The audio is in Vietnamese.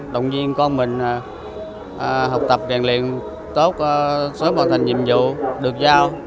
đồng viên con mình học tập truyền luyện tốt sớm hoàn thành nhiệm vụ được giao